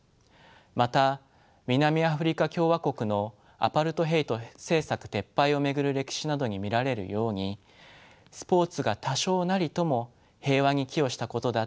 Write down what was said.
また南アフリカ共和国のアパルトヘイト政策撤廃を巡る歴史などに見られるようにスポーツが多少なりとも平和に寄与したことだってあります。